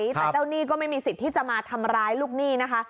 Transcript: แต่เจ้าหนี้ก็ไม่มีสิทธิ์ที่จะมาทำร้ายลูกหนี้นะคะ